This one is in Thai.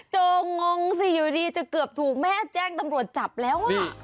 เจองงสิอยู่ดีจะเกือบถูกแม่แจ้งตำรวจจับแล้ว